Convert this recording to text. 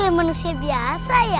itu manusia serigalanya